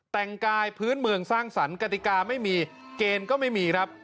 แต่งกายพื้นเมืองสร้างสรรคติกาไม่มีเกณฑ์ก็ไม่มีครับ